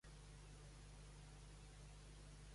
Francesc Romero Triguels va ser un metge nascut a Concabella.